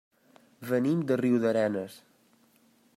Venim de Riudarenes.